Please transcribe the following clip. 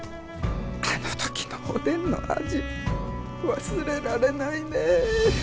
あの時のおでんの味忘れられないね。